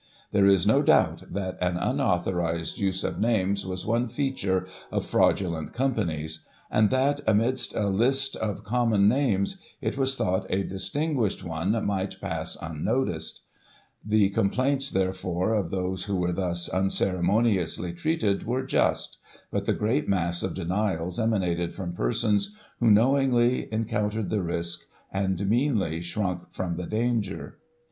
There is no doubt that an unauthorised use of names was one feature Digiti ized by Google 1846] COLLAPSE OF MANIA. 287 of fraudulent companies, and that, amidst a list of common names, it was thought a distinguished one might pass un noticed. The complaints, therefore, of those who were thus unceremoniously treated, were just; but the great mass of denials emanated from persons who, knowingly, encountered the risk, and, meanly, shrunk from the danger.